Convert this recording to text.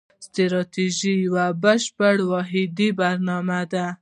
ستراتیژي یوه بشپړه واحده برنامه ده.